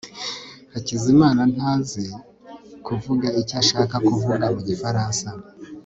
hakizimana ntazi kuvuga icyo ashaka kuvuga mu gifaransa